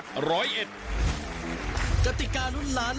สุดท้ายค่ะสุดท้ายค่ะ